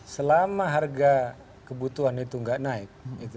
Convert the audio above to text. selama harga kebutuhan itu tidak naik